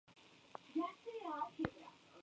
El cómic "¡El cielo se nos cae encima!